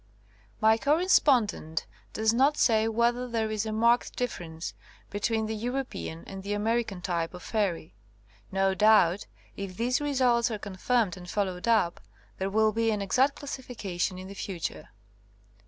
My correspondent does not say whether there is a marked difference between the European and the American type of fairy. No doubt, if these results are confirmed and followed up, there will be an exact classi fication in the future.